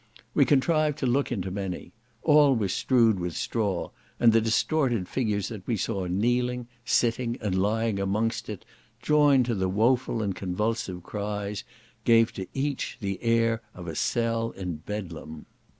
We contrived to look into many; all were strewed with straw, and the distorted figures that we saw kneeling, sitting, and lying amongst it, joined to the woeful and convulsive cries, gave to each, the air of a cell in Bedlam.